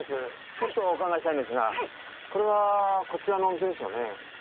ちょっとお伺いしたいんですがこれはこちらのお店ですよね？